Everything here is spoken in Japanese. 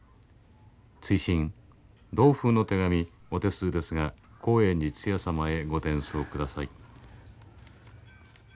追伸同封の手紙お手数ですが興園寺つや様へ御転送下さい」。